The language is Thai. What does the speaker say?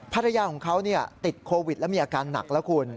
ภรรยาของเขาติดโควิดและมีอาการหนักแล้วคุณ